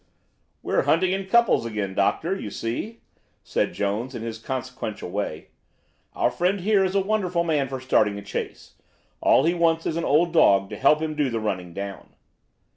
"We're hunting in couples again, Doctor, you see," said Jones in his consequential way. "Our friend here is a wonderful man for starting a chase. All he wants is an old dog to help him to do the running down."